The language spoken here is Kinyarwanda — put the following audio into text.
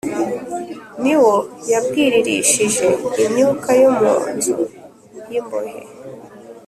Ni wo yabwiririshije imyuka yo mu nzu y imbohe